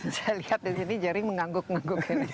saya lihat di sini jaring mengangguk ngangguk ini